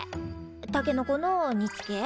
たけのこの煮つけ？